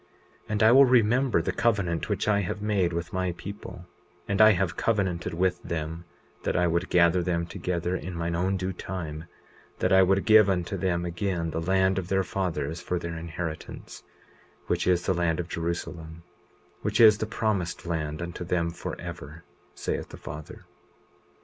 20:29 And I will remember the covenant which I have made with my people; and I have covenanted with them that I would gather them together in mine own due time, that I would give unto them again the land of their fathers for their inheritance, which is the land of Jerusalem, which is the promised land unto them forever, saith the Father.